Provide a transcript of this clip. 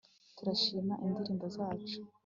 turashima indirimbo zacu